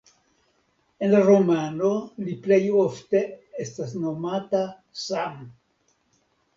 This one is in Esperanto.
En la romano li plej ofte estas nomata Sam.